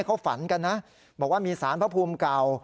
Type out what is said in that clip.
เขาฝันกันนะบอกว่ามีสารพระภูมิเก่า